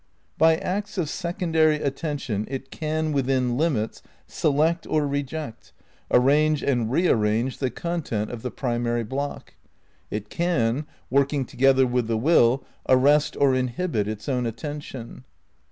£?^a. By acts of secondary attention it can, withm limits, ness select or reject, arrange and rearrange the content of 292 THE NEW IDEALISM x the primary block. It can, working together with the will, arrest or inhibit its own attention.